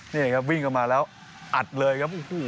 นี่ไงครับวิ่งเข้ามาแล้วอัดเลยครับอู้หูอ่